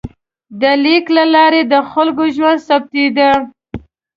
د لیک له لارې د خلکو ژوند ثبتېده.